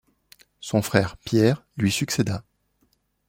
Son frère Pierre lui succéda.